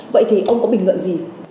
vậy thì ông có bình luận gì